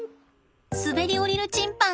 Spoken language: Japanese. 滑り降りるチンパン！